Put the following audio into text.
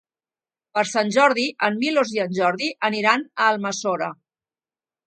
Per Sant Jordi en Milos i en Jordi aniran a Almassora.